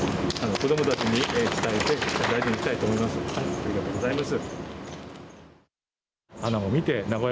子どもたちに伝えて大事にしたいと思います。